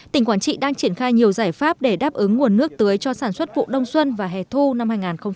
tỉnh quảng trị đang triển khai nhiều giải pháp để đáp ứng nguồn nước tưới cho sản xuất vụ đông xuân và hè thu năm hai nghìn hai mươi